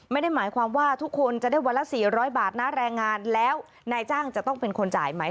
ไม่ได้หมายความว่าทุกคนจะได้วันละ๔๐๐บาทนะแรงงานแล้วนายจ้างจะต้องเป็นคนจ่ายไหม